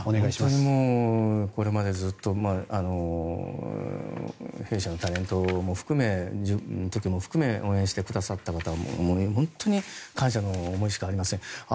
本当に、これまでずっと弊社のタレントも含めＴＯＫＩＯも含め応援してくださった方本当に感謝の思いしかありません。